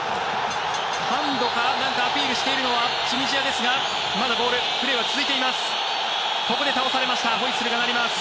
ハンドか何かアピールしているのはチュニジアですがまだプレーは続いています。